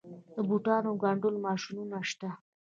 د بوټانو ګنډلو ماشینونه شته